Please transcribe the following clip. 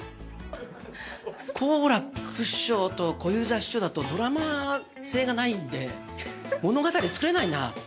好楽師匠と小遊三師匠だとドラマ性がないんで、物語作れないな。